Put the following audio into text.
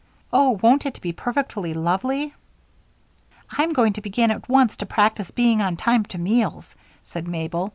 Oh! won't it be perfectly lovely?" "I'm going to begin at once to practice being on time to meals," said Mabel.